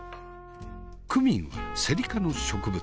クミンはセリ科の植物。